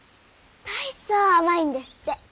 大層甘いんですって。